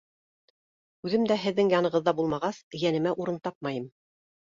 Үҙем дә һеҙҙең янығыҙҙа булмағас, йәнемә урын тапмайым.